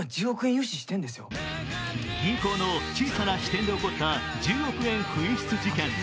銀行の小さな支店で起こった１０億円紛失事件。